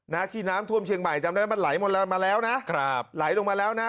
นะที่น้ำท่วมเชียงใหม่จำได้มันไหลมาแล้วนะครับไหลลงมาแล้วนะ